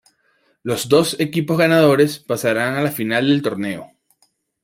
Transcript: Los dos equipos ganadores pasaran a la final del torneo.